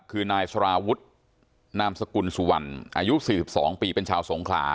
คือนายสารวุฒินามสกุลสุวรรณอายุ๔๒ปีเป็นชาวสงขลา